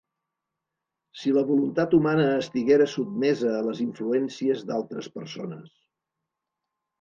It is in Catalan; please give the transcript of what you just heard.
...si la voluntat humana estiguera sotmesa a les influències d'altres persones.